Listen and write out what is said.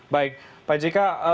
baik pak jk